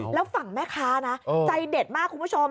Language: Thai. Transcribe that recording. แล้วฝั่งแม่ค้านะใจเด็ดมากคุณผู้ชม